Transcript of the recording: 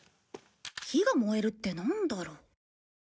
火が燃えるってなんだろう？